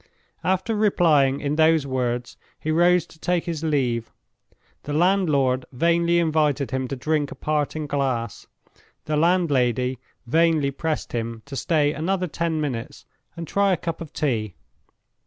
After replying in those words, he rose to take his leave. The landlord vainly invited him to drink a parting glass; the landlady vainly pressed him to stay another ten minutes and try a cup of tea.